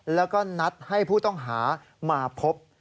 แล้วก็นัดให้ผู้ต้องหามาพบ